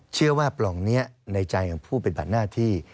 เชื่อว่าปล่องนี้ในใจของผู้เป็นบัตรหน้าที่